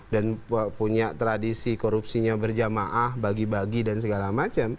dan punya tradisi korupsinya berjamaah bagi bagi dan segala macam